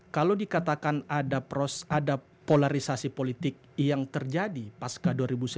kalau dikatakan ada polarisasi politik yang terjadi pasca dua ribu sembilan belas